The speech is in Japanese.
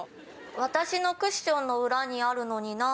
私のクッションの裏にあるのになぁ。